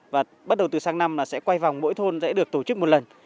và bắt đầu từ sáng năm là sẽ quay vòng mỗi thôn sẽ được tổ chức một lần